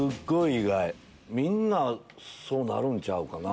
みんなそうなるんちゃうかな。